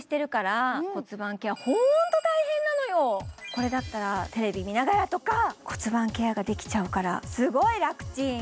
これだったらテレビみながらとか骨盤ケアができちゃうからすごい楽ちん。